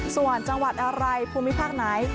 ส่วนจังหวัดอะไรภูมิภาคไหน